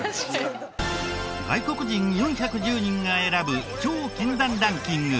外国人４１０人が選ぶ超禁断ランキング